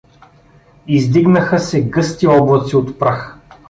Издигнаха се гъсти облаци от прах.